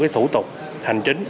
thủ tục hành chính